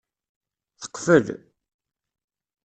Teqfel.